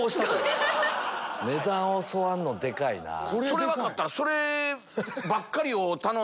それ分かったら。